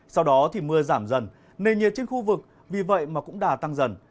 sau đó thì mưa giảm dần nền nhiệt trên khu vực vì vậy mà cũng đà tăng dần